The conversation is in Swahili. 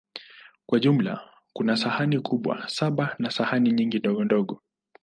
Kwa jumla, kuna sahani kubwa saba na sahani nyingi ndogondogo.